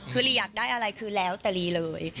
คือลีอยากได้อะไรคือแล้วแต่ลีเลย